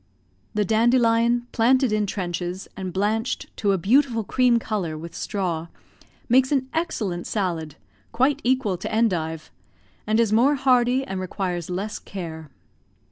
The dandelion planted in trenches, and blanched to a beautiful cream colour with straw, makes an excellent salad, quite equal to endive, and is more hardy and requires less care.